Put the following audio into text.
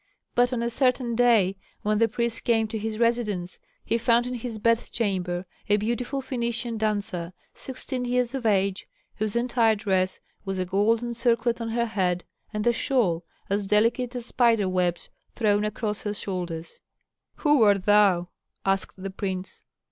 But on a certain day when the prince came to his residence, he found in his bedchamber a beautiful Phœnician dancer, sixteen years of age, whose entire dress was a golden circlet on her head, and a shawl, as delicate as spider webs, thrown across her shoulders. "Who art thou?" asked the prince.